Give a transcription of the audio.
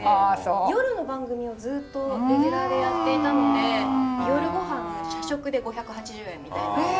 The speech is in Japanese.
夜の番組をずっとレギュラーでやっていたので夜ごはん社食で５８０円みたいな。え！